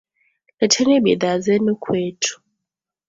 Leteni bidhaa zenu kwetu.